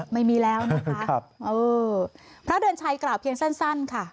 ไม่มีแล้วนะคะครับเออพระเดือนชัยกล่าวเพียงสั้นสั้นค่ะ